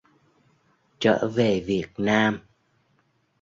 Trở về Việt Nam